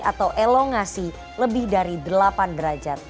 atau elongasi lebih dari delapan derajat